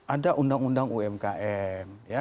ada undang undang umkm